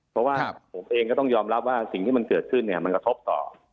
เพราะว่าผมเองก็ต้องยอมรับว่าสิ่งที่มันเกิดขึ้นเนี่ยมันกระทบต่อ